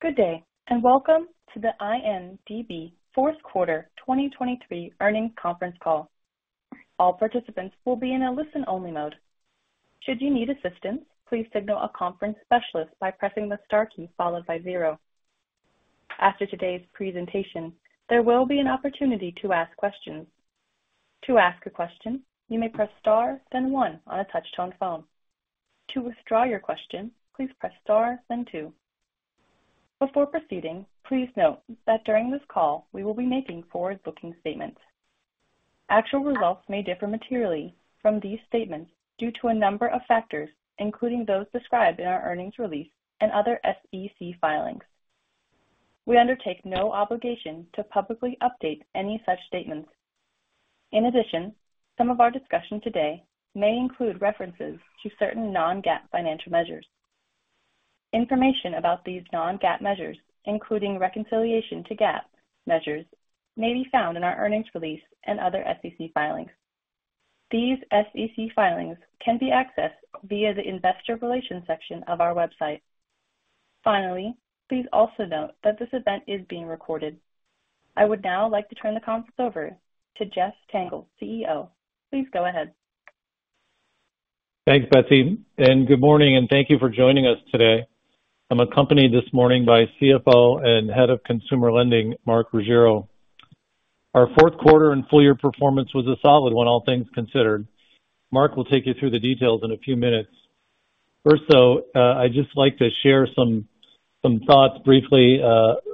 Good day, and welcome to the INDB fourth quarter 2023 earnings conference call. All participants will be in a listen-only mode. Should you need assistance, please signal a conference specialist by pressing the star key followed by zero. After today's presentation, there will be an opportunity to ask questions. To ask a question, you may press star, then one on a touch-tone phone. To withdraw your question, please press star then two. Before proceeding, please note that during this call, we will be making forward-looking statements. Actual results may differ materially from these statements due to a number of factors, including those described in our earnings release and other SEC filings. We undertake no obligation to publicly update any such statements. In addition, some of our discussion today may include references to certain non-GAAP financial measures. Information about these non-GAAP measures, including reconciliation to GAAP measures, may be found in our earnings release and other SEC filings. These SEC filings can be accessed via the investor relations section of our website. Finally, please also note that this event is being recorded. I would now like to turn the conference over to Jeffrey Tengel, CEO. Please go ahead. Thanks, Betsy, and good morning, and thank you for joining us today. I'm accompanied this morning by CFO and Head of Consumer Lending, Mark Ruggiero. Our fourth quarter and full year performance was a solid one, all things considered. Mark will take you through the details in a few minutes. First, though, I'd just like to share some, some thoughts briefly.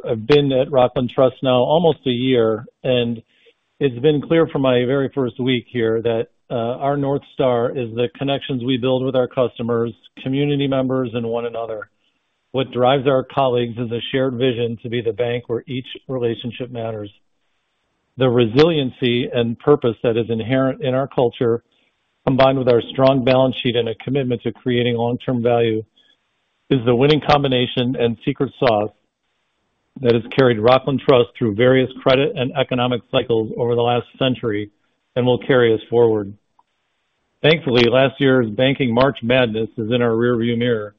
I've been at Rockland Trust now almost a year, and it's been clear from my very first week here that our North Star is the connections we build with our customers, community members, and one another. What drives our colleagues is a shared vision to be the bank where each relationship matters. The resiliency and purpose that is inherent in our culture, combined with our strong balance sheet and a commitment to creating long-term value, is the winning combination and secret sauce that has carried Rockland Trust through various credit and economic cycles over the last century and will carry us forward. Thankfully, last year's banking March Madness is in our rearview mirror,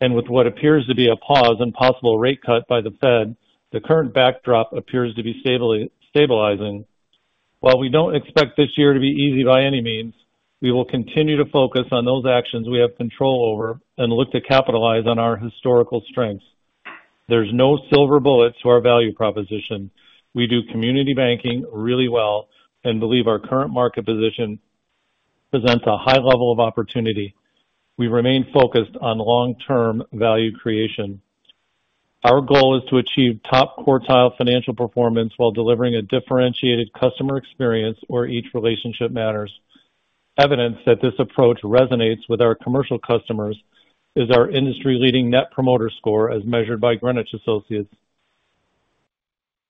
and with what appears to be a pause and possible rate cut by the Fed, the current backdrop appears to be stabilizing. While we don't expect this year to be easy by any means, we will continue to focus on those actions we have control over and look to capitalize on our historical strengths. There's no silver bullet to our value proposition. We do community banking really well and believe our current market position presents a high level of opportunity. We remain focused on long-term value creation. Our goal is to achieve top-quartile financial performance while delivering a differentiated customer experience where each relationship matters. Evidence that this approach resonates with our commercial customers is our industry-leading Net Promoter Score, as measured by Greenwich Associates.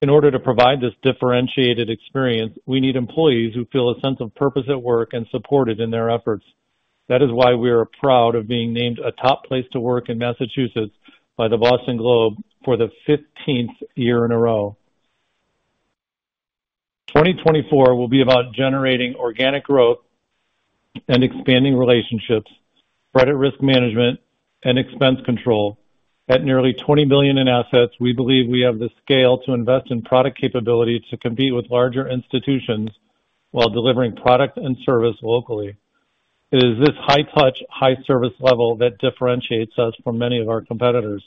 In order to provide this differentiated experience, we need employees who feel a sense of purpose at work and supported in their efforts. That is why we are proud of being named a Top Place to Work in Massachusetts by The Boston Globe for the 15th year in a row. 2024 will be about generating organic growth and expanding relationships, credit risk management, and expense control. At nearly $20 billion in assets, we believe we have the scale to invest in product capability to compete with larger institutions while delivering product and service locally. It is this high touch, high service level that differentiates us from many of our competitors.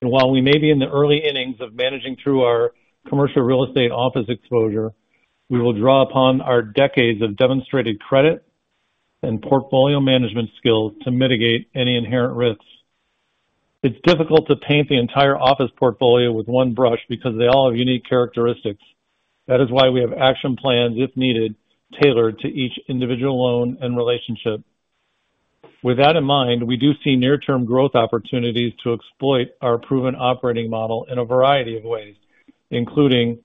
While we may be in the early innings of managing through our commercial real estate office exposure, we will draw upon our decades of demonstrated credit and portfolio management skills to mitigate any inherent risks. It's difficult to paint the entire office portfolio with one brush because they all have unique characteristics. That is why we have action plans, if needed, tailored to each individual loan and relationship. With that in mind, we do see near-term growth opportunities to exploit our proven operating model in a variety of ways, including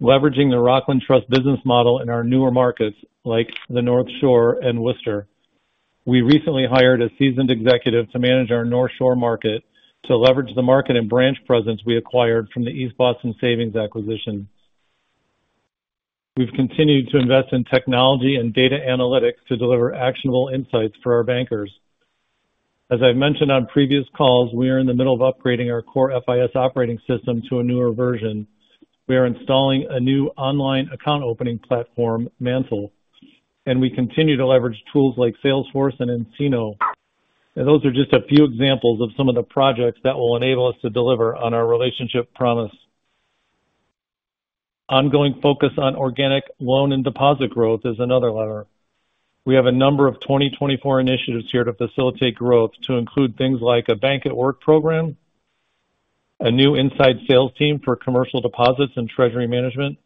leveraging the Rockland Trust business model in our newer markets, like the North Shore and Worcester. We recently hired a seasoned executive to manage our North Shore market to leverage the market and branch presence we acquired from the East Boston Savings acquisition. We've continued to invest in technology and data analytics to deliver actionable insights for our bankers. As I've mentioned on previous calls, we are in the middle of upgrading our core FIS operating system to a newer version. We are installing a new online account opening platform, MANTL, and we continue to leverage tools like Salesforce and nCino. And those are just a few examples of some of the projects that will enable us to deliver on our relationship promise. Ongoing focus on organic loan and deposit growth is another lever. We have a number of 2024 initiatives here to facilitate growth, to include things like a Bank at Work program, a new inside sales team for commercial deposits and treasury management,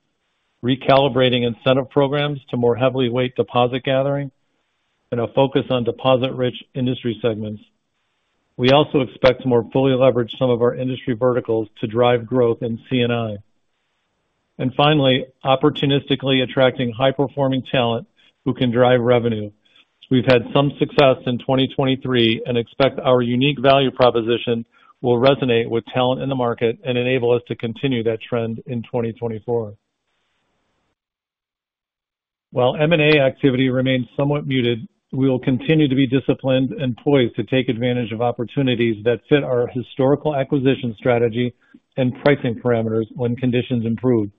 recalibrating incentive programs to more heavily weight deposit gathering, and a focus on deposit-rich industry segments. We also expect to more fully leverage some of our industry verticals to drive growth in C&I. And finally, opportunistically attracting high-performing talent who can drive revenue. We've had some success in 2023 and expect our unique value proposition will resonate with talent in the market and enable us to continue that trend in 2024. While M&A activity remains somewhat muted, we will continue to be disciplined and poised to take advantage of opportunities that fit our historical acquisition strategy and pricing parameters when conditions improve.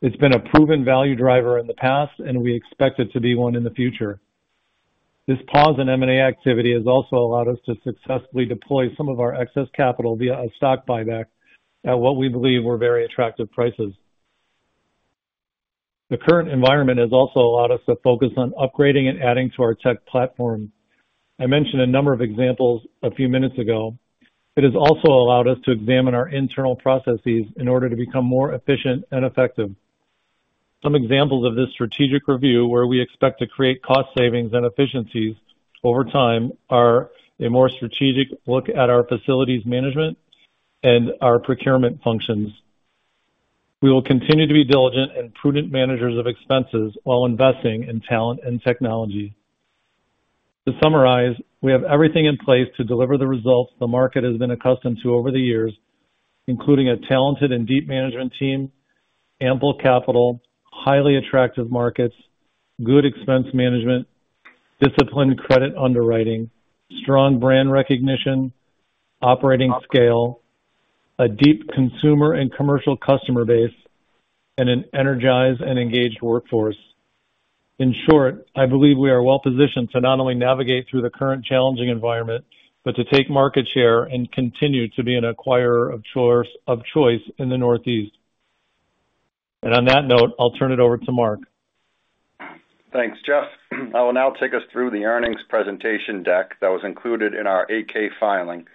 It's been a proven value driver in the past, and we expect it to be one in the future. This pause in M&A activity has also allowed us to successfully deploy some of our excess capital via a stock buyback at what we believe were very attractive prices. The current environment has also allowed us to focus on upgrading and adding to our tech platform. I mentioned a number of examples a few minutes ago. It has also allowed us to examine our internal processes in order to become more efficient and effective. Some examples of this strategic review, where we expect to create cost savings and efficiencies over time, are a more strategic look at our facilities management and our procurement functions. We will continue to be diligent and prudent managers of expenses while investing in talent and technology. To summarize, we have everything in place to deliver the results the market has been accustomed to over the years, including a talented and deep management team, ample capital, highly attractive markets, good expense management, disciplined credit underwriting, strong brand recognition, operating scale, a deep consumer and commercial customer base, and an energized and engaged workforce. In short, I believe we are well-positioned to not only navigate through the current challenging environment, but to take market share and continue to be an acquirer of choice, of choice in the Northeast. On that note, I'll turn it over to Mark. Thanks, Jeff. I will now take us through the earnings presentation deck that was included in our Form 8-K filing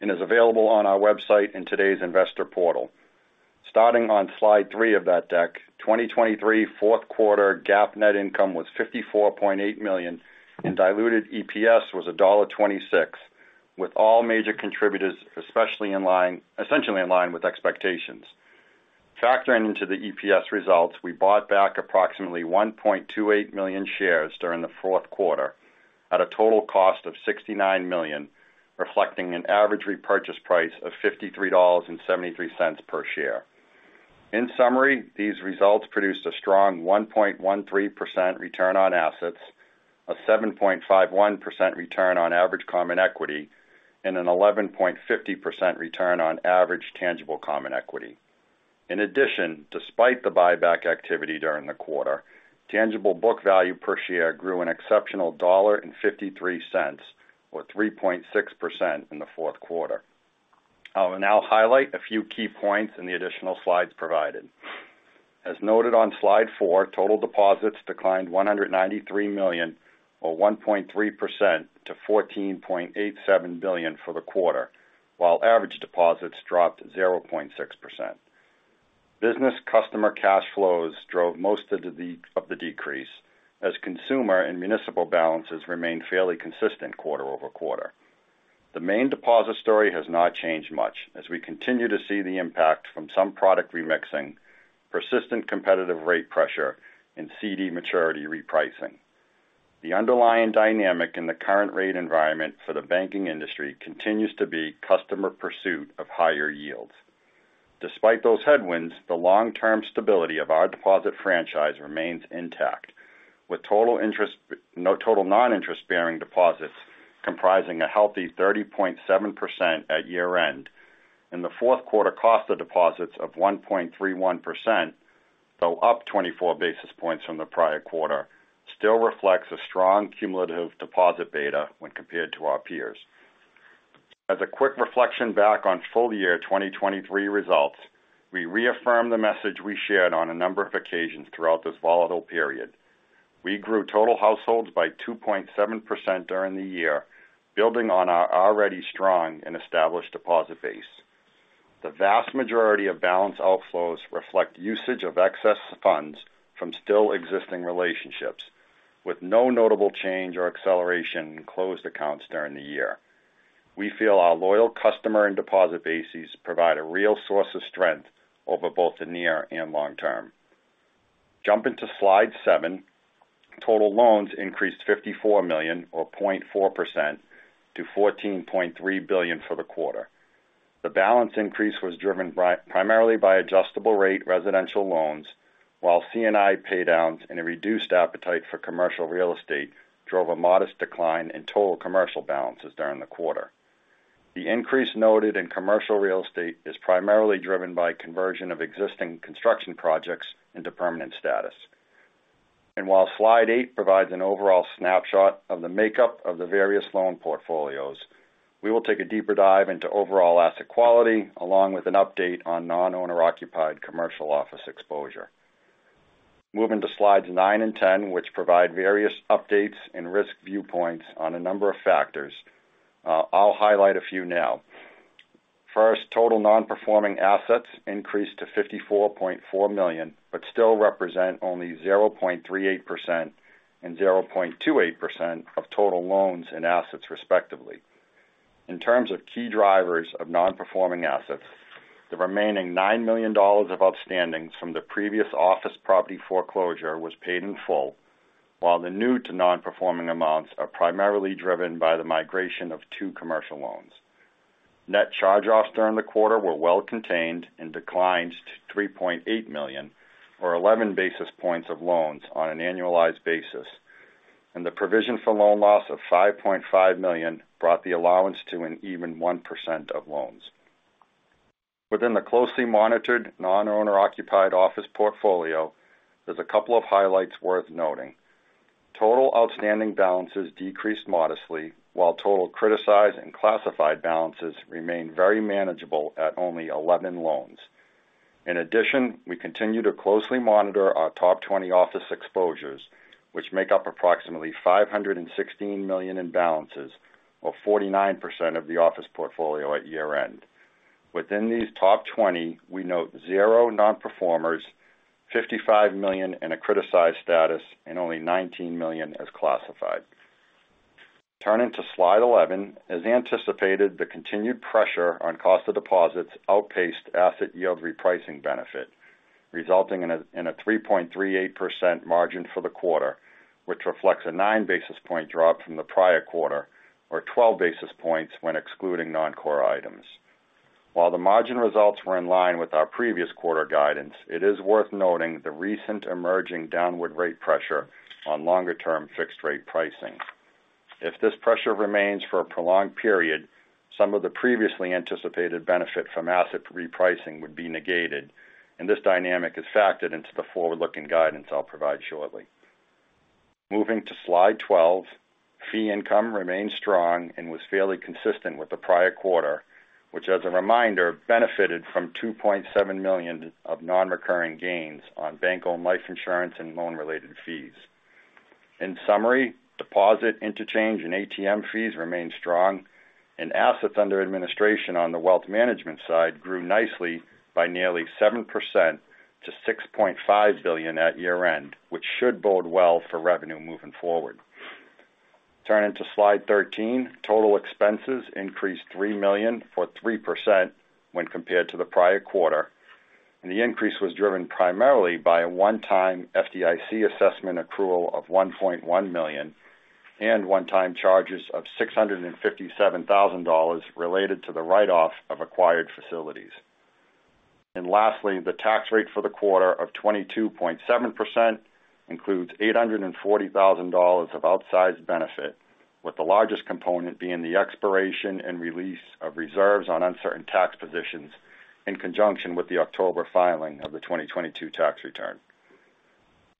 and is available on our website in today's investor portal. Starting on slide three of that deck, 2023 fourth quarter GAAP net income was $54.8 million, and diluted EPS was $1.26, with all major contributors, especially in line—essentially in line with expectations. Factoring into the EPS results, we bought back approximately 1.28 million shares during the fourth quarter at a total cost of $69 million, reflecting an average repurchase price of $53.73 per share. In summary, these results produced a strong 1.13% return on assets, a 7.51% return on average common equity, and an 11.50% return on average tangible common equity. In addition, despite the buyback activity during the quarter, tangible book value per share grew an exceptional $1.53, or 3.6% in the fourth quarter. I will now highlight a few key points in the additional slides provided. As noted on slide four, total deposits declined $193 million, or 1.3% to $14.87 billion for the quarter, while average deposits dropped 0.6%. Business customer cash flows drove most of the decrease, as consumer and municipal balances remained fairly consistent quarter-over-quarter. The main deposit story has not changed much, as we continue to see the impact from some product remixing, persistent competitive rate pressure, and CD maturity repricing. The underlying dynamic in the current rate environment for the banking industry continues to be customer pursuit of higher yields. Despite those headwinds, the long-term stability of our deposit franchise remains intact, with total non-interest-bearing deposits comprising a healthy 30.7% at year-end, and the fourth quarter cost of deposits of 1.31%, though up 24 basis points from the prior quarter, still reflects a strong cumulative deposit beta when compared to our peers. As a quick reflection back on full year 2023 results, we reaffirm the message we shared on a number of occasions throughout this volatile period. We grew total households by 2.7% during the year, building on our already strong and established deposit base. The vast majority of balance outflows reflect usage of excess funds from still existing relationships, with no notable change or acceleration in closed accounts during the year. We feel our loyal customer and deposit bases provide a real source of strength over both the near and long term. Jumping to slide seven, total loans increased $54 million, or 0.4%, to $14.3 billion for the quarter. The balance increase was driven by, primarily by adjustable rate residential loans, while C&I paydowns and a reduced appetite for commercial real estate drove a modest decline in total commercial balances during the quarter. The increase noted in commercial real estate is primarily driven by conversion of existing construction projects into permanent status. While slide eight provides an overall snapshot of the makeup of the various loan portfolios, we will take a deeper dive into overall asset quality, along with an update on Non-Owner Occupied Commercial Office exposure. Moving to slides nine and 10, which provide various updates and risk viewpoints on a number of factors. I'll highlight a few now. First, total nonperforming assets increased to $54.4 million, but still represent only 0.38% and 0.28% of total loans and assets, respectively. In terms of key drivers of nonperforming assets, the remaining $9 million of outstandings from the previous office property foreclosure was paid in full, while the new to nonperforming amounts are primarily driven by the migration of two commercial loans. Net charge-offs during the quarter were well contained and declined to $3.8 million, or 11 basis points of loans on an annualized basis, and the provision for loan loss of $5.5 million brought the allowance to an even 1% of loans. Within the closely monitored Non-Owner Occupied Office portfolio, there's a couple of highlights worth noting. Total outstanding balances decreased modestly, while total criticized and classified balances remained very manageable at only 11 loans. In addition, we continue to closely monitor our Top 20 office exposures, which make up approximately $516 million in balances, or 49% of the office portfolio at year-end. Within these Top 20, we note zero nonperformers, $55 million in a criticized status and only $19 million as classified. Turning to Slide 11, as anticipated, the continued pressure on cost of deposits outpaced asset yield repricing benefit, resulting in a 3.38% margin for the quarter, which reflects a 9 basis point drop from the prior quarter, or 12 basis points when excluding non-core items. While the margin results were in line with our previous quarter guidance, it is worth noting the recent emerging downward rate pressure on longer-term fixed rate pricing. If this pressure remains for a prolonged period, some of the previously anticipated benefit from asset repricing would be negated, and this dynamic is factored into the forward-looking guidance I'll provide shortly. Moving to Slide 12. Fee income remained strong and was fairly consistent with the prior quarter, which, as a reminder, benefited from $2.7 million of nonrecurring gains on Bank-Owned Life Insurance and loan-related fees. In summary, deposit interchange and ATM fees remained strong, and assets under administration on the Wealth Management side grew nicely by nearly 7% to $6.5 billion at year-end, which should bode well for revenue moving forward. Turning to Slide 13, total expenses increased $3 million or 3% when compared to the prior quarter, and the increase was driven primarily by a one-time FDIC assessment accrual of $1.1 million, and one-time charges of $657,000 related to the write-off of acquired facilities. Lastly, the tax rate for the quarter of 22.7% includes $840,000 of outsized benefit, with the largest component being the expiration and release of reserves on uncertain tax positions in conjunction with the October filing of the 2022 tax return.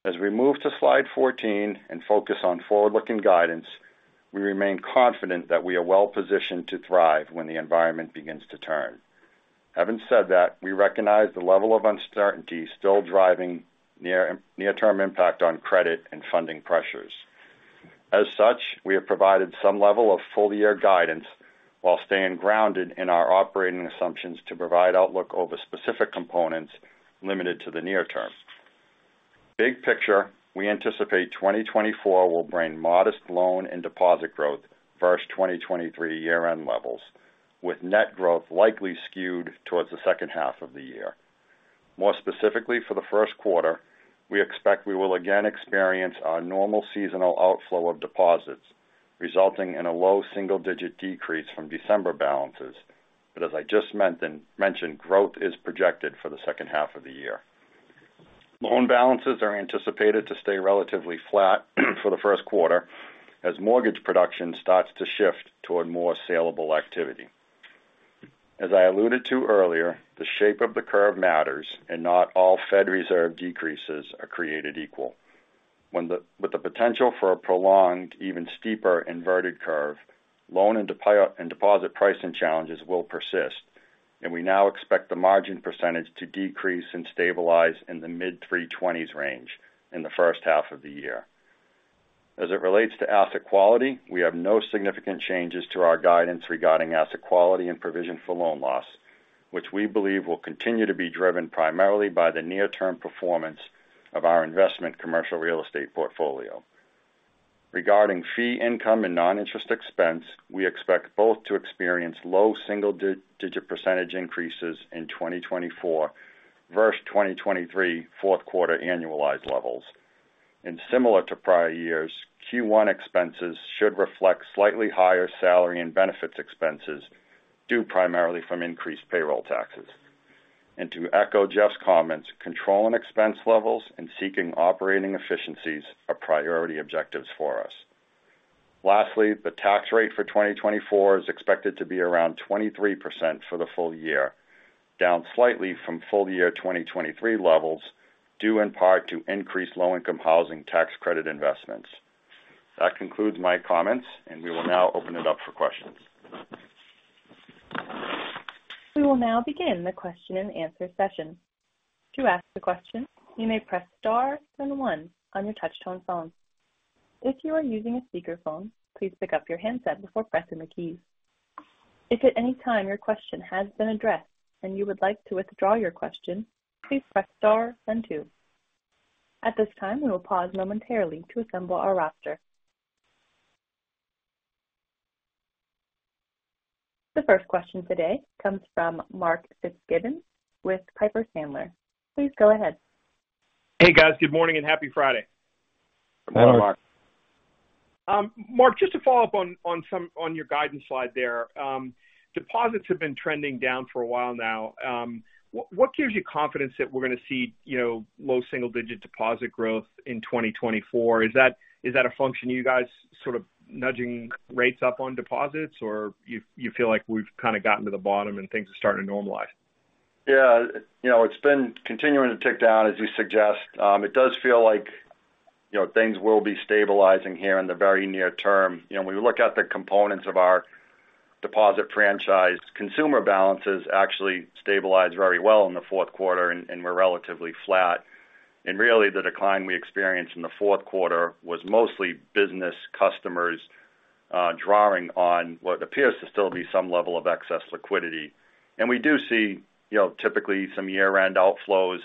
As we move to Slide 14 and focus on forward-looking guidance, we remain confident that we are well positioned to thrive when the environment begins to turn. Having said that, we recognize the level of uncertainty still driving near-term impact on credit and funding pressures. As such, we have provided some level of full-year guidance while staying grounded in our operating assumptions to provide outlook over specific components limited to the near term. Big picture, we anticipate 2024 will bring modest loan and deposit growth versus 2023 year-end levels, with net growth likely skewed towards the second half of the year. More specifically, for the first quarter, we expect we will again experience our normal seasonal outflow of deposits, resulting in a low single-digit decrease from December balances. But as I just mentioned, growth is projected for the second half of the year. Loan balances are anticipated to stay relatively flat for the first quarter as mortgage production starts to shift toward more salable activity. As I alluded to earlier, the shape of the curve matters, and not all Fed Reserve decreases are created equal. With the potential for a prolonged, even steeper inverted curve, loan and deposit pricing challenges will persist, and we now expect the margin percentage to decrease and stabilize in the mid-30s range in the first half of the year. As it relates to asset quality, we have no significant changes to our guidance regarding asset quality and provision for loan loss, which we believe will continue to be driven primarily by the near-term performance of our investment commercial real estate portfolio. Regarding fee income and non-interest expense, we expect both to experience low single-digit percentage increases in 2024 versus 2023 fourth quarter annualized levels. Similar to prior years, Q1 expenses should reflect slightly higher salary and benefits expenses, due primarily from increased payroll taxes. To echo Jeff's comments, controlling expense levels and seeking operating efficiencies are priority objectives for us. Lastly, the tax rate for 2024 is expected to be around 23% for the full year, down slightly from full year 2023 levels, due in part to increased low-income housing tax credit investments. That concludes my comments, and we will now open it up for questions. We will now begin the question-and-answer session. To ask a question, you may press star then one on your touch-tone phone. If you are using a speakerphone, please pick up your handset before pressing the keys. If at any time your question has been addressed and you would like to withdraw your question, please press star then two. At this time, we will pause momentarily to assemble our roster. The first question today comes from Mark Fitzgibbon with Piper Sandler. Please go ahead. Hey, guys. Good morning and happy Friday. Good morning, Mark. Mark, just to follow up on some of your guidance slide there. Deposits have been trending down for a while now. What gives you confidence that we're going to see, you know, low single-digit deposit growth in 2024? Is that a function of you guys sort of nudging rates up on deposits, or you feel like we've kind of gotten to the bottom and things are starting to normalize? Yeah, you know, it's been continuing to tick down as you suggest. It does feel like, you know, things will be stabilizing here in the very near term. You know, when you look at the components of our deposit franchise, consumer balances actually stabilized very well in the fourth quarter, and, and we're relatively flat. And really, the decline we experienced in the fourth quarter was mostly business customers drawing on what appears to still be some level of excess liquidity. And we do see, you know, typically some year-end outflows,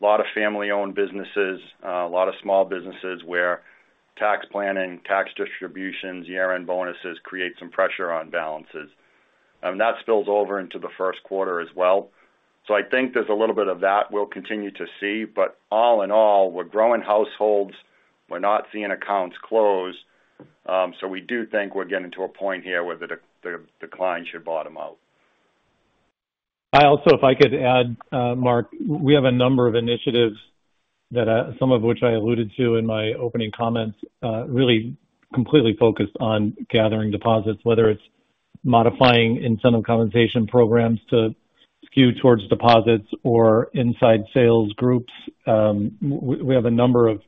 a lot of family-owned businesses, a lot of small businesses where tax planning, tax distributions, year-end bonuses create some pressure on balances. And that spills over into the first quarter as well. So I think there's a little bit of that we'll continue to see, but all in all, we're growing households. We're not seeing accounts close. So we do think we're getting to a point here where the decline should bottom out. I also, if I could add, Mark, we have a number of initiatives that, some of which I alluded to in my opening comments, really completely focused on gathering deposits, whether it's modifying incentive compensation programs to skew towards deposits or inside sales groups. We have a number of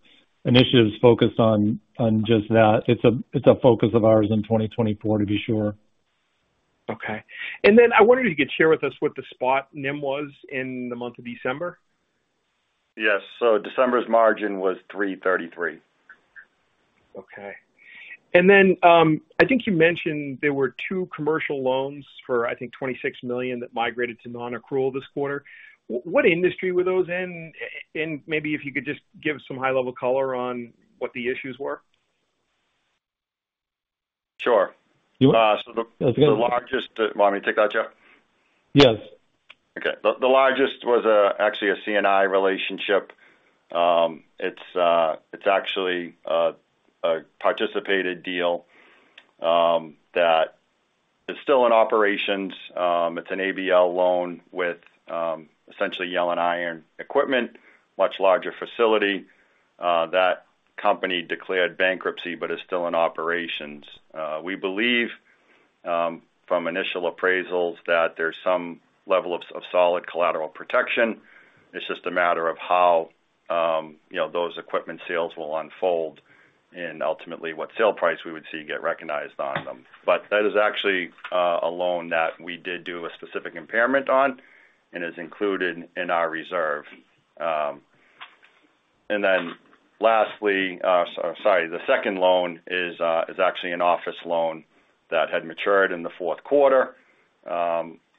initiatives focused on just that. It's a, it's a focus of ours in 2024, to be sure. Okay. And then I wondered if you could share with us what the spot NIM was in the month of December? Yes. So December's margin was 3.33%. Okay. And then, I think you mentioned there were two commercial loans for, I think, $26 million that migrated to nonaccrual this quarter. What industry were those in? And maybe if you could just give some high-level color on what the issues were? Sure. You- So the- That's good. You want me to take that, Jeff? Yes. Okay. The largest was actually a C&I relationship. It's actually a participated deal that is still in operations. It's an ABL loan with essentially yellow iron equipment, much larger facility. That company declared bankruptcy but is still in operations. We believe from initial appraisals that there's some level of solid collateral protection. It's just a matter of how, you know, those equipment sales will unfold and ultimately what sale price we would see get recognized on them. But that is actually a loan that we did do a specific impairment on and is included in our reserve. And then lastly, or sorry, the second loan is actually an office loan that had matured in the fourth quarter.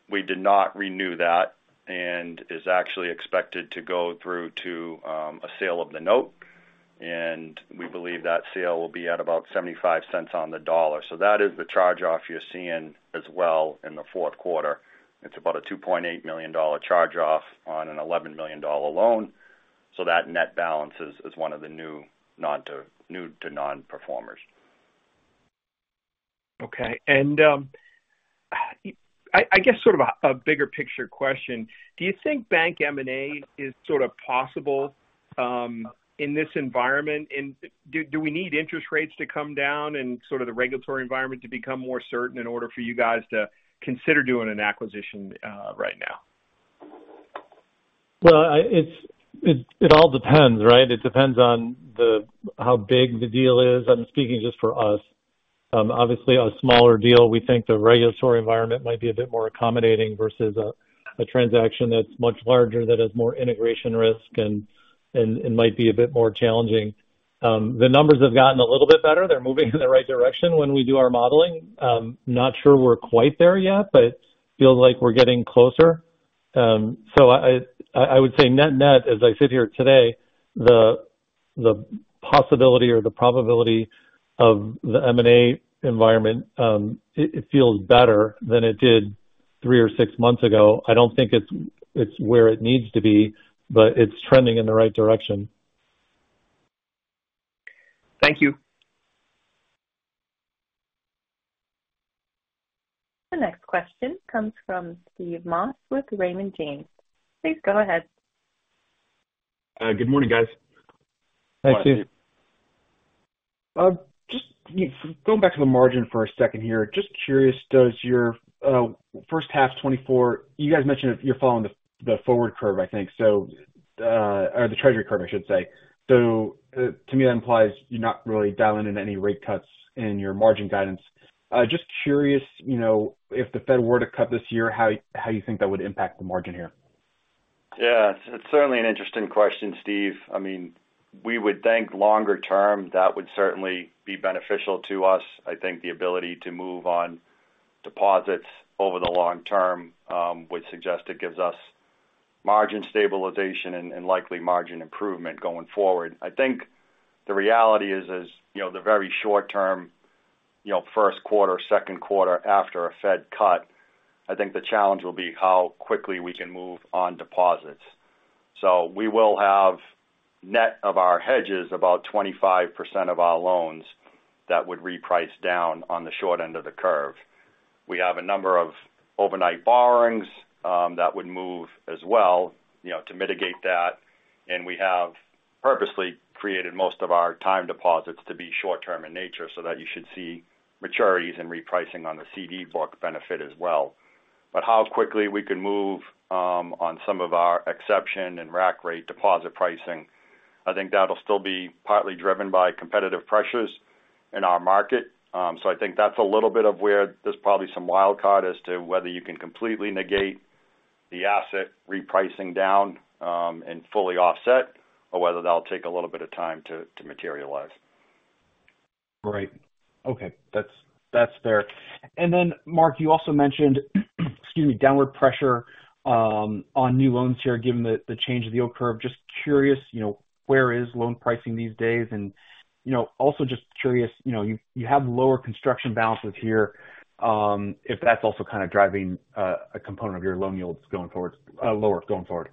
We did not renew that, and is actually expected to go through to a sale of the note, and we believe that sale will be at about $0.75 on the dollar. So that is the charge-off you're seeing as well in the fourth quarter. It's about a $2.8 million charge-off on an $11 million loan. So that net balance is one of the new nonperformers. Okay. And I guess sort of a bigger picture question: Do you think bank M&A is sort of possible in this environment? And do we need interest rates to come down and sort of the regulatory environment to become more certain in order for you guys to consider doing an acquisition right now? Well, it all depends, right? It depends on how big the deal is. I'm speaking just for us. Obviously, a smaller deal, we think the regulatory environment might be a bit more accommodating versus a transaction that's much larger, that has more integration risk and might be a bit more challenging. The numbers have gotten a little bit better. They're moving in the right direction when we do our modeling. Not sure we're quite there yet, but it feels like we're getting closer. So I would say net-net, as I sit here today, the possibility or the probability of the M&A environment, it feels better than it did three or six months ago. I don't think it's where it needs to be, but it's trending in the right direction. Thank you. The next question comes from Steve Moss with Raymond James. Please go ahead. Good morning, guys. Hi, Steve. Hi, Steve. Just, you know, going back to the margin for a second here. Just curious, does your first half 2024. You guys mentioned you're following the forward curve, I think so, or the treasury curve, I should say. So, to me, that implies you're not really dialing in any rate cuts in your margin guidance. Just curious, you know, if the Fed were to cut this year, how you think that would impact the margin here? Yeah. It's certainly an interesting question, Steve. I mean, we would think longer term, that would certainly be beneficial to us. I think the ability to move on deposits over the long term, would suggest it gives us margin stabilization and, and likely margin improvement going forward. I think the reality is, is, you know, the very short term, you know, first quarter, second quarter after a Fed cut, I think the challenge will be how quickly we can move on deposits. So we will have net of our hedges, about 25% of our loans that would reprice down on the short end of the curve. We have a number of overnight borrowings, that would move as well, you know, to mitigate that. We have purposely created most of our time deposits to be short term in nature, so that you should see maturities and repricing on the CD book benefit as well. But how quickly we can move on some of our exception and rack rate deposit pricing, I think that'll still be partly driven by competitive pressures in our market. So I think that's a little bit of where there's probably some wild card as to whether you can completely negate the asset repricing down and fully offset, or whether that'll take a little bit of time to materialize. Right. Okay, that's fair. And then, Mark, you also mentioned, excuse me, downward pressure on new loans here, given the change of the yield curve. Just curious, you know, where is loan pricing these days? And, you know, also just curious, you know, you have lower construction balances here, if that's also kind of driving a component of your loan yields going towards lower going forward.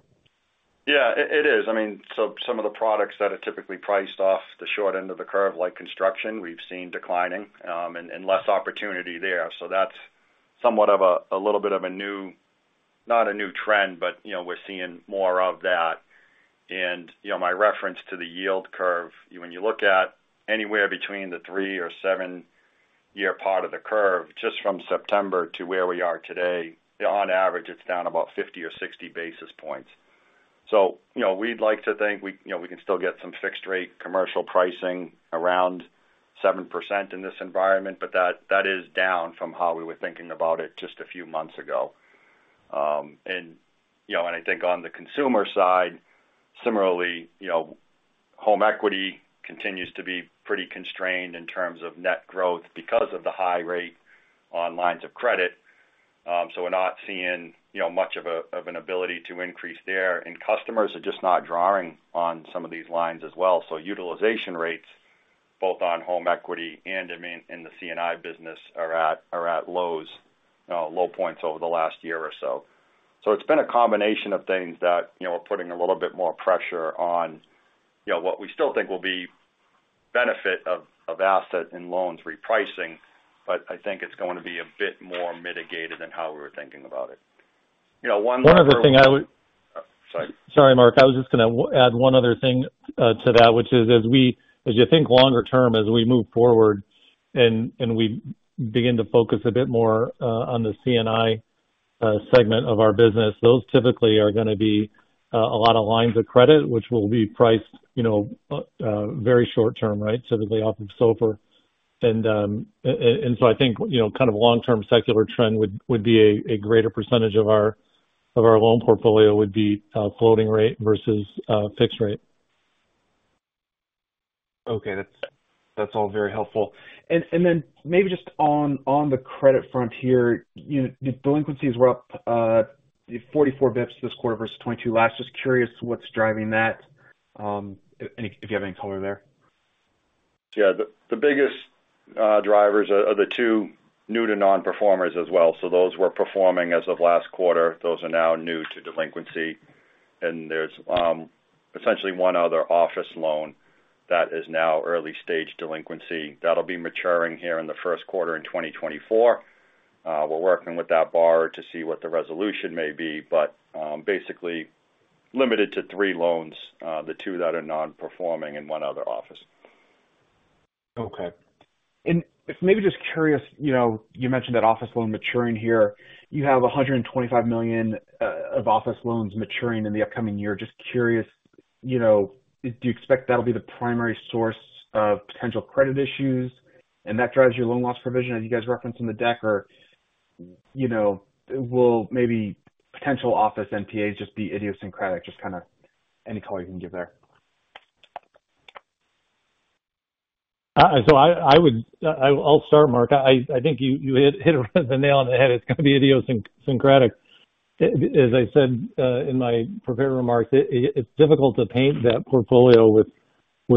Yeah, it, it is. I mean, so some of the products that are typically priced off the short end of the curve, like construction, we've seen declining, and less opportunity there. So that's somewhat of a little bit of a new, not a new trend, but, you know, we're seeing more of that. And, you know, my reference to the yield curve, when you look at anywhere between the three- or seven-year part of the curve, just from September to where we are today, on average, it's down about 50 or 60 basis points. So, you know, we'd like to think we, you know, we can still get some fixed rate commercial pricing around 7% in this environment, but that, that is down from how we were thinking about it just a few months ago. And, you know, I think on the consumer side, similarly, you know, home equity continues to be pretty constrained in terms of net growth because of the high rate on lines of credit. So we're not seeing, you know, much of an ability to increase there, and customers are just not drawing on some of these lines as well. So utilization rates, both on home equity and, I mean, in the C&I business, are at low points over the last year or so. So it's been a combination of things that, you know, are putting a little bit more pressure on, you know, what we still think will be benefit of asset and loans repricing, but I think it's going to be a bit more mitigated than how we were thinking about it. You know, one other- One other thing I would- Oh, sorry. Sorry, Mark. I was just going to add one other thing to that, which is, as you think longer term, as we move forward and we begin to focus a bit more on the C&I segment of our business, those typically are going to be a lot of lines of credit, which will be priced, you know, very short term, right? Typically off of SOFR. And so I think, you know, kind of long-term secular trend would be a greater percentage of our loan portfolio would be floating rate versus fixed rate. Okay. That's all very helpful. And then maybe just on the credit front here, your delinquencies were up 44 basis points this quarter versus 22 last. Just curious, what's driving that? If you have any color there? Yeah. The biggest drivers are the two new to nonperformers as well. So those were performing as of last quarter. Those are now new to delinquency, and there's essentially one other office loan that is now early-stage delinquency. That'll be maturing here in the first quarter in 2024. We're working with that borrower to see what the resolution may be, but basically limited to three loans, the two that are nonperforming and one other office. Okay. And maybe just curious, you know, you mentioned that office loan maturing here. You have $125 million of office loans maturing in the upcoming year. Just curious, you know, do you expect that'll be the primary source of potential credit issues, and that drives your loan loss provision, as you guys referenced in the deck? Or, you know, will maybe potential office NPAs just be idiosyncratic? Just kind of any color you can give there. So I'll start, Mark. I think you hit the nail on the head. It's going to be idiosyncratic. As I said in my prepared remarks, it's difficult to paint that portfolio with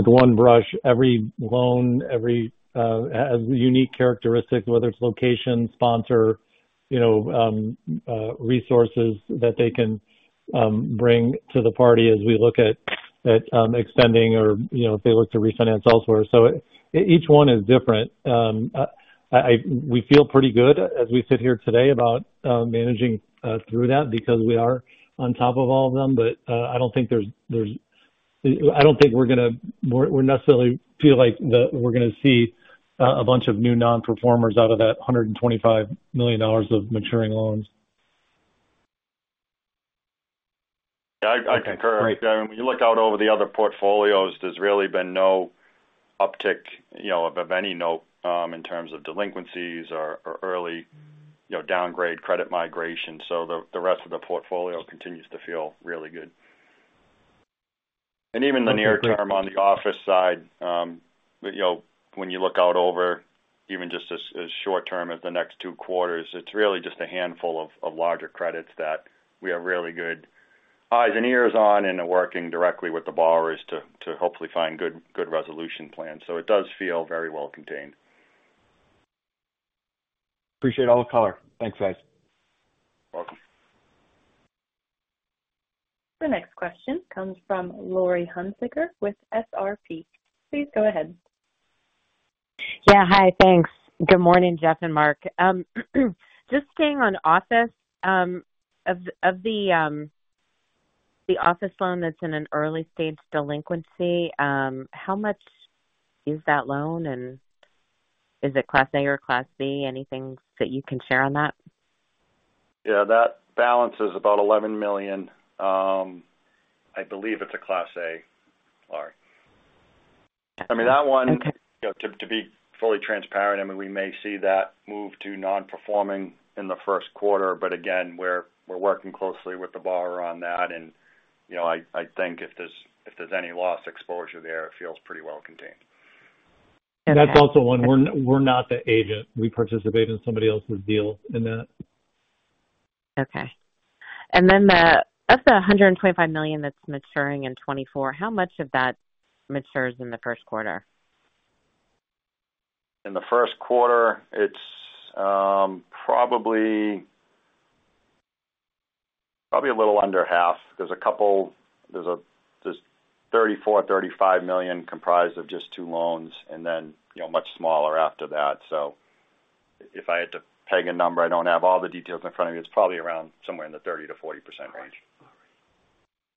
one brush. Every loan has unique characteristics, whether it's location, sponsor, you know, resources that they can bring to the party as we look at extending or, you know, if they look to refinance elsewhere. So each one is different. We feel pretty good as we sit here today about managing through that because we are on top of all of them. But, I don't think we're necessarily going to feel like we're going to see a bunch of new nonperformers out of that $125 million of maturing loans. Yeah, I concur. Great. When you look out over the other portfolios, there's really been no uptick, you know, of, of any note, in terms of delinquencies or, or early, you know, downgrade credit migration. So the, the rest of the portfolio continues to feel really good. And even the near term on the office side, you know, when you look out over even just as, as short term as the next two quarters, it's really just a handful of, of larger credits that we have really good eyes and ears on and are working directly with the borrowers to, to hopefully find good, good resolution plans. So it does feel very well contained. Appreciate all the color. Thanks, guys. Welcome. The next question comes from Laurie Hunsicker with SRP. Please go ahead. Yeah. Hi, thanks. Good morning, Jeff and Mark. Just staying on office, the office loan that's in an early stage delinquency, how much is that loan, and is it Class A or Class B? Anything that you can share on that? Yeah, that balance is about $11 million. I believe it's a Class A, Laurie. I mean, that one- Okay. To be fully transparent, I mean, we may see that move to nonperforming in the first quarter, but again, we're working closely with the borrower on that. And, you know, I think if there's any loss exposure there, it feels pretty well contained. That's also one. We're not the agent. We participate in somebody else's deal in that. Okay. And then the of the $125 million that's maturing in 2024, how much of that matures in the first quarter? In the first quarter, it's probably a little under half. There's a couple, there's $34 million-$35 million comprised of just two loans and then, you know, much smaller after that. So if I had to peg a number, I don't have all the details in front of me, it's probably around somewhere in the 30%-40% range.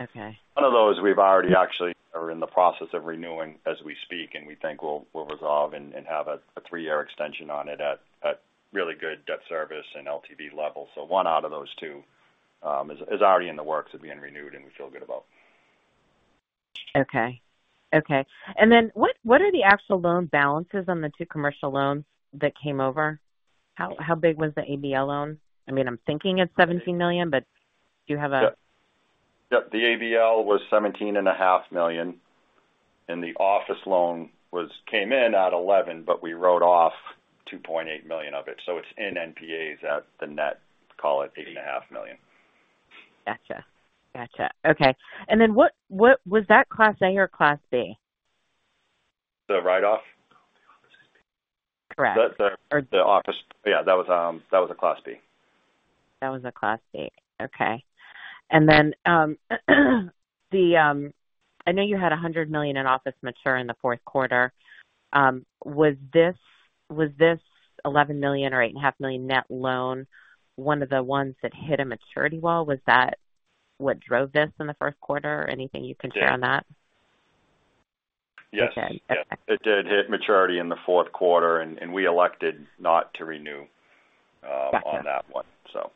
Okay. One of those we've already actually are in the process of renewing as we speak, and we think we'll resolve and have a three-year extension on it at really good debt service and LTV levels. So one out of those two is already in the works of being renewed, and we feel good about. Okay. Okay. And then what, what are the actual loan balances on the two commercial loans that came over? How, how big was the ABL loan? I mean, I'm thinking it's $17 million, but do you have a- Yep. Yep, the ABL was $17.5 million, and the office loan came in at $11 million, but we wrote off $2.8 million of it, so it's in NPAs at the net, call it $8.5 million. Gotcha. Gotcha. Okay. And then what, what was that Class A or Class B? The write-off? The office B. Correct. The office. Yeah, that was a Class B. That was a Class B. Okay. And then, I know you had $100 million in office mature in the fourth quarter. Was this, was this $11 million or $8.5 million net loan, one of the ones that hit a maturity wall? Was that what drove this in the first quarter or anything you can share on that? Yes. Okay. Yeah, it did hit maturity in the fourth quarter, and we elected not to renew. Gotcha. on that one, so.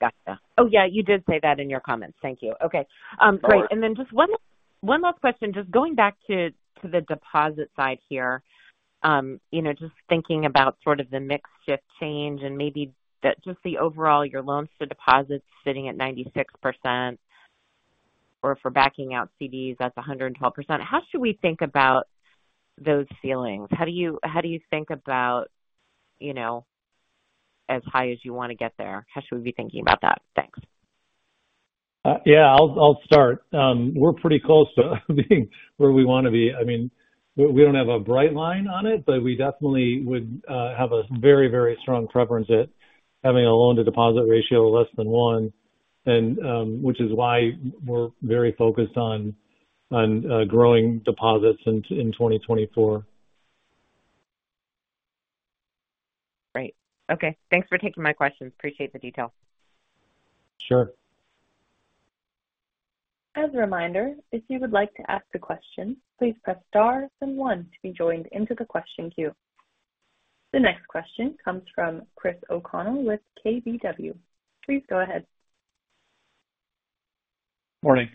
Gotcha. Oh, yeah, you did say that in your comments. Thank you. Okay. Sure. Great. And then just one last question, just going back to the deposit side here. You know, just thinking about sort of the mix shift change and maybe just the overall, your loans to deposits sitting at 96%, or for backing out CDs, that's 112%. How should we think about those ceilings? How do you think about, you know, as high as you want to get there? How should we be thinking about that? Thanks. Yeah, I'll start. We're pretty close to being where we want to be. I mean, we don't have a bright line on it, but we definitely would have a very, very strong preference at having a loan-to-deposit ratio of less than one. And, which is why we're very focused on growing deposits in 2024. Great. Okay. Thanks for taking my questions. Appreciate the detail. Sure. As a reminder, if you would like to ask a question, please press star and one to be joined into the question queue. The next question comes from Chris O'Connell with KBW. Please go ahead. Morning.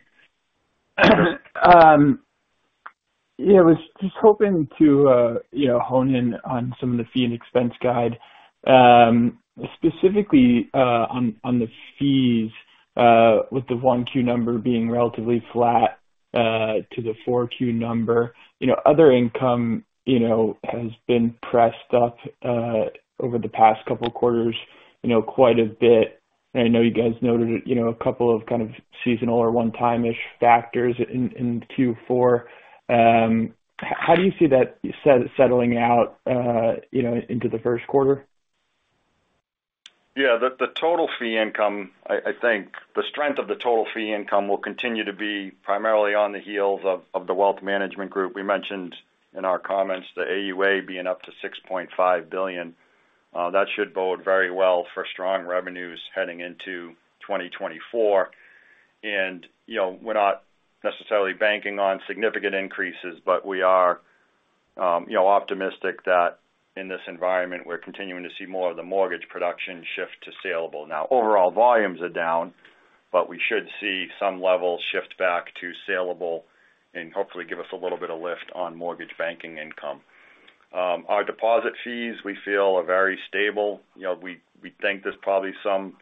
Yeah, I was just hoping to, you know, hone in on some of the fee and expense guide, specifically, on the fees, with the 1Q number being relatively flat to the 4Q number. You know, other income, you know, has been pressed up over the past couple of quarters, you know, quite a bit. I know you guys noted it, you know, a couple of kind of seasonal or one-time-ish factors in Q4. How do you see that settling out, you know, into the first quarter? Yeah, the total fee income, I think the strength of the total fee income will continue to be primarily on the heels of the Wealth Management Group. We mentioned in our comments, the AUA being up to $6.5 billion. That should bode very well for strong revenues heading into 2024. And, you know, we're not necessarily banking on significant increases, but we are, you know, optimistic that in this environment, we're continuing to see more of the mortgage production shift to saleable. Now, overall volumes are down, but we should see some level shift back to saleable and hopefully give us a little bit of lift on mortgage banking income. Our deposit fees, we feel, are very stable. You know, we think there's probably some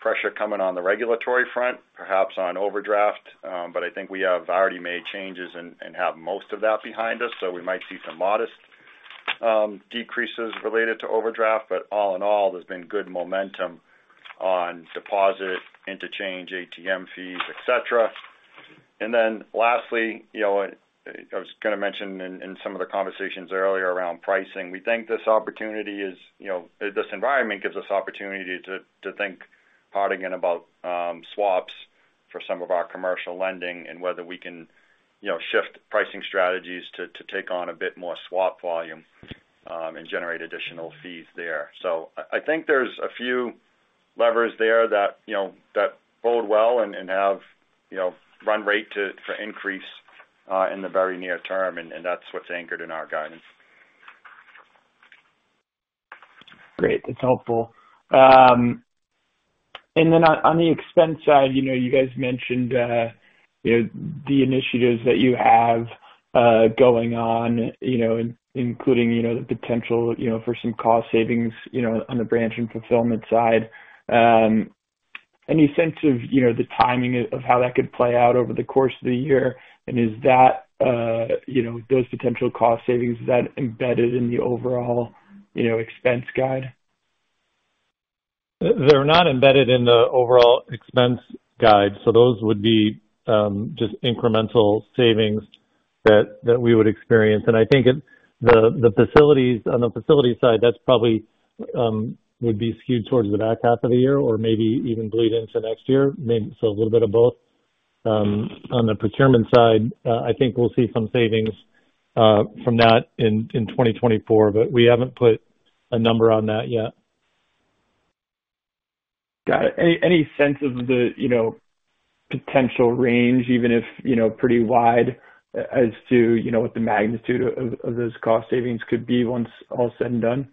pressure coming on the regulatory front, perhaps on overdraft, but I think we have already made changes and have most of that behind us, so we might see some modest decreases related to overdraft. But all in all, there's been good momentum on deposit, interchange, ATM fees, et cetera. And then lastly, you know, I was going to mention in some of the conversations earlier around pricing, we think this opportunity is, you know, this environment gives us opportunity to think hard again about swaps for some of our commercial lending and whether we can, you know, shift pricing strategies to take on a bit more swap volume and generate additional fees there. So, I think there's a few levers there that, you know, that bode well and have, you know, run rate to increase in the very near term, and that's what's anchored in our guidance. Great. That's helpful. And then on the expense side, you know, you guys mentioned you know, the initiatives that you have going on, you know, including you know, the potential you know, for some cost savings you know, on the branch and fulfillment side. Any sense of you know, the timing of how that could play out over the course of the year? And is that you know, those potential cost savings, is that embedded in the overall you know, expense guide? They're not embedded in the overall expense guide, so those would be just incremental savings that we would experience. And I think the facilities, on the facility side, that's probably would be skewed towards the back half of the year or maybe even bleed into next year. Maybe so a little bit of both. On the procurement side, I think we'll see some savings from that in 2024, but we haven't put a number on that yet. Got it. Any sense of the, you know, potential range, even if, you know, pretty wide, as to, you know, what the magnitude of those cost savings could be once all said and done?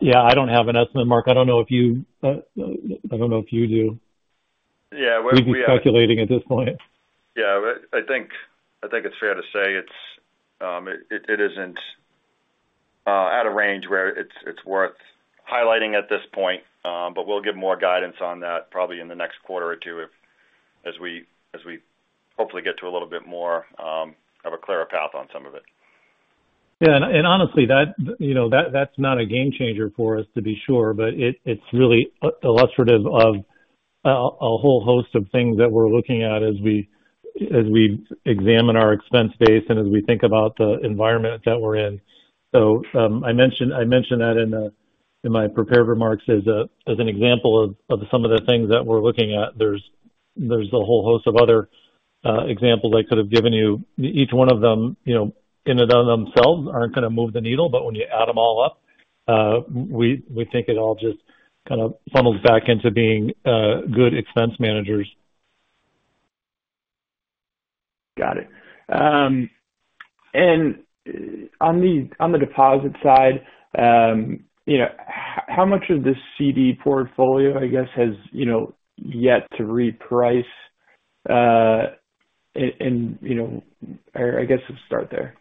Yeah, I don't have an estimate, Mark. I don't know if you do. Yeah, we're- We've been calculating at this point. Yeah, but I think, I think it's fair to say it isn't at a range where it's worth highlighting at this point. But we'll give more guidance on that probably in the next quarter or two if, as we, as we hopefully get to a little bit more of a clearer path on some of it. Yeah, and honestly, that, you know, that's not a game changer for us, to be sure, but it's really illustrative of a whole host of things that we're looking at as we examine our expense base and as we think about the environment that we're in. So, I mentioned that in my prepared remarks as an example of some of the things that we're looking at. There's a whole host of other examples I could have given you. Each one of them, you know, in and of themselves, aren't going to move the needle, but when you add them all up, we think it all just kind of funnels back into being good expense managers. Got it. And on the deposit side, you know, how much of this CD portfolio, I guess, has yet to reprice? and, you know... I guess let's start there.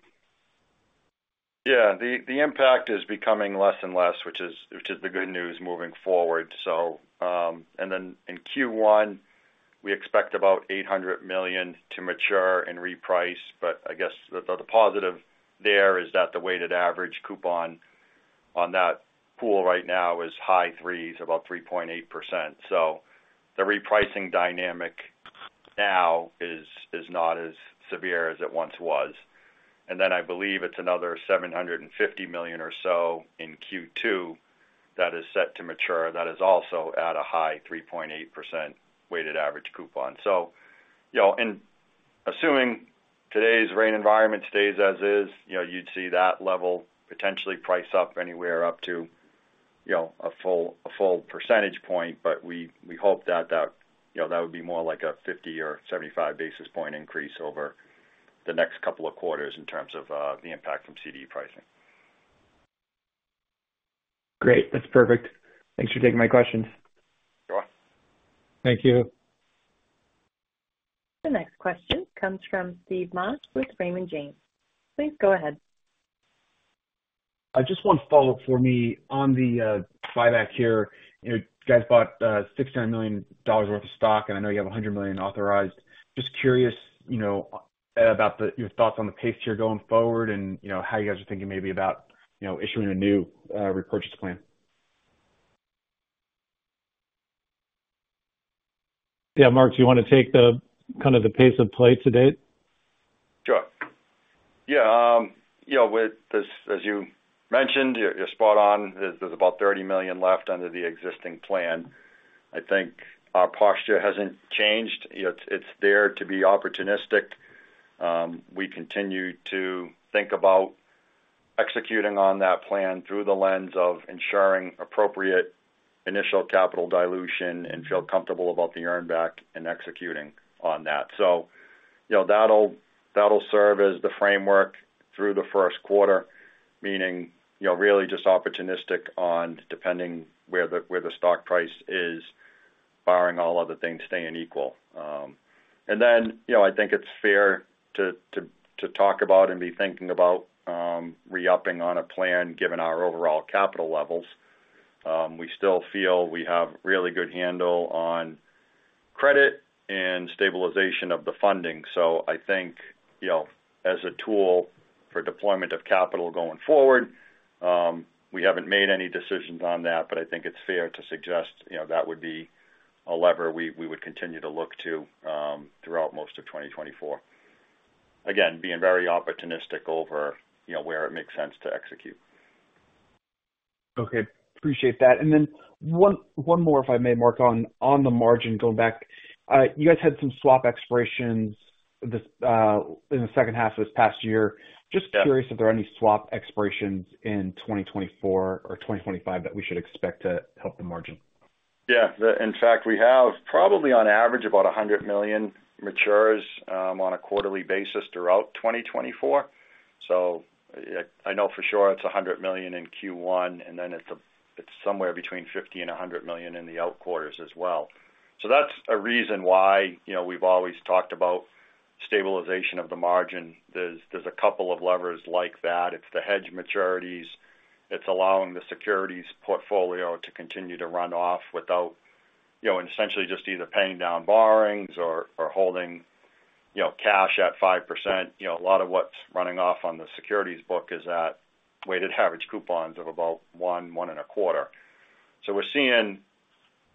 Yeah. The impact is becoming less and less, which is the good news moving forward. So, and then in Q1, we expect about $800 million to mature and reprice. But I guess the positive there is that the weighted average coupon on that pool right now is high threes, about 3.8%. So the repricing dynamic now is not as severe as it once was. And then I believe it's another $750 million or so in Q2 that is set to mature, that is also at a high 3.8% weighted average coupon. So, you know, and assuming today's rate environment stays as is, you know, you'd see that level potentially price up anywhere up to, you know, a full, a full percentage point, but we, we hope that that, you know, that would be more like a 50 or 75 basis point increase over the next couple of quarters in terms of the impact from CD pricing. Great. That's perfect. Thanks for taking my questions. You're welcome. Thank you. The next question comes from Steve Moss with Raymond James. Please go ahead. Just one follow-up for me on the buyback here. You know, you guys bought $600 million worth of stock, and I know you have $100 million authorized. Just curious, you know, about the- your thoughts on the pace here going forward and, you know, how you guys are thinking maybe about, you know, issuing a new repurchase plan. Yeah, Mark, do you want to take the, kind of, pace of play to date? Sure. Yeah, you know, with this, as you mentioned, you're, you're spot on. There's, there's about $30 million left under the existing plan. I think our posture hasn't changed. It's, it's there to be opportunistic. We continue to think about executing on that plan through the lens of ensuring appropriate initial capital dilution and feel comfortable about the earn back and executing on that. So, you know, that'll, that'll serve as the framework through the first quarter, meaning, you know, really just opportunistic on depending where the, where the stock price is, barring all other things staying equal. And then, you know, I think it's fair to, to, to talk about and be thinking about, re-upping on a plan, given our overall capital levels. We still feel we have really good handle on credit and stabilization of the funding. So I think, you know, as a tool for deployment of capital going forward, we haven't made any decisions on that, but I think it's fair to suggest, you know, that would be a lever we would continue to look to, throughout most of 2024. Again, being very opportunistic over, you know, where it makes sense to execute. Okay, appreciate that. And then one, one more, if I may, Mark, on, on the margin. Going back, you guys had some swap expirations this in the second half of this past year. Yeah. Just curious if there are any swap expirations in 2024 or 2025 that we should expect to help the margin? Yeah. In fact, we have probably on average about $100 million matures on a quarterly basis throughout 2024. So I know for sure it's $100 million in Q1, and then it's somewhere between $50 million and $100 million in the out quarters as well. So that's a reason why, you know, we've always talked about stabilization of the margin. There's a couple of levers like that. It's the hedge maturities. It's allowing the securities portfolio to continue to run off without, you know, and essentially just either paying down borrowings or holding, you know, cash at 5%. You know, a lot of what's running off on the securities book is at weighted average coupons of about 1-1.25. So we're seeing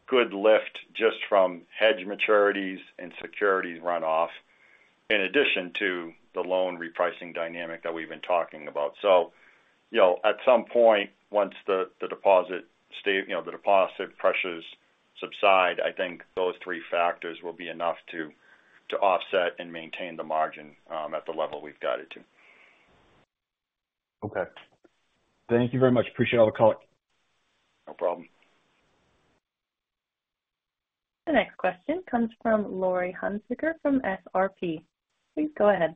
good lift just from hedge maturities and securities runoff, in addition to the loan repricing dynamic that we've been talking about. So, you know, at some point, once the deposit pressures subside, I think those three factors will be enough to offset and maintain the margin at the level we've got it to. Okay. Thank you very much. Appreciate all the color. No problem. The next question comes from Laurie Hunsicker from SRP. Please go ahead.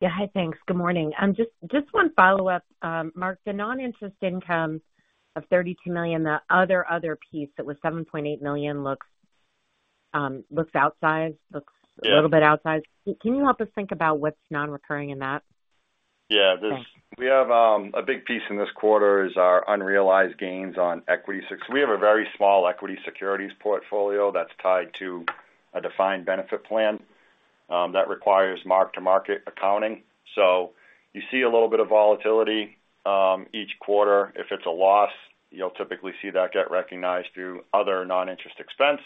Yeah. Hi, thanks. Good morning. Just one follow-up, Mark. The non-interest income of $32 million, the other piece that was $7.8 million looks outsized- Yeah. Looks a little bit outsized. Can you help us think about what's non-recurring in that? Yeah. Thanks. We have a big piece in this quarter is our unrealized gains on equity securities. We have a very small equity securities portfolio that's tied to a defined benefit plan that requires mark-to-market accounting. So you see a little bit of volatility each quarter. If it's a loss, you'll typically see that get recognized through other non-interest expense.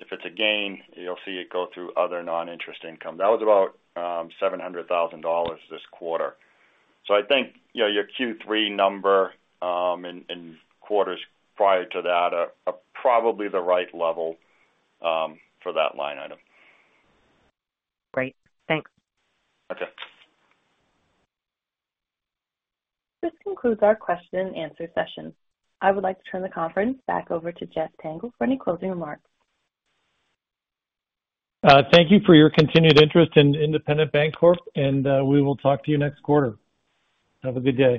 If it's a gain, you'll see it go through other non-interest income. That was about $700,000 this quarter. So I think, you know, your Q3 number in quarters prior to that are probably the right level for that line item. Great. Thanks. Okay. This concludes our question and answer session. I would like to turn the conference back over to Jeffrey Tengel for any closing remarks. Thank you for your continued interest in Independent Bank Corp., and we will talk to you next quarter. Have a good day.